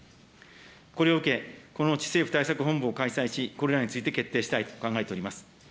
これを受け、このうち政府対策本部を開催し、これらについて決定したいと考えております。